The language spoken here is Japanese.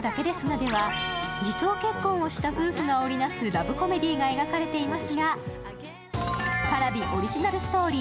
では、偽装結婚をした夫婦が織りなすラブコメディが描かれていますが、Ｐａｒａｖｉオリジナルストーリー